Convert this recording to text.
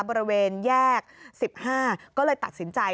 บริเวณแยก๑๕ก็เลยตัดสินใจ